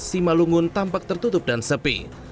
simalungun tampak tertutup dan sepi